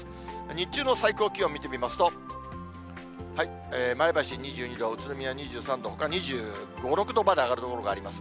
日中の最高気温見てみますと、前橋２２度、宇都宮２３度、ほか２５、６度まで上がる所があります。